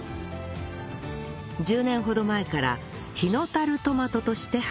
１０年ほど前から日野樽トマトとして販売